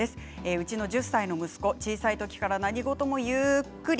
うちの１０歳の息子小さい時から何事もゆっくり。